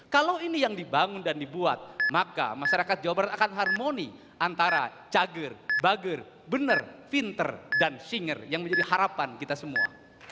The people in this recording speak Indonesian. kalau ini yang dibangun dan dibuat maka masyarakat jawa barat akan harmoni antara cager bager benar pinter dan singer yang menjadi harapan kita semua